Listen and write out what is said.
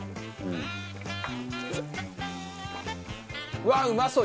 うわっうまそう！